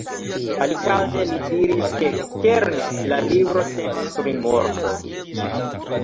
Alikaze li diris, ke kerne la libro temas pri morto.